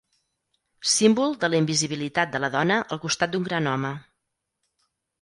Símbol de la invisibilitat de la dona al costat d’un gran home.